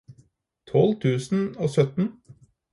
tolv tusen og sytten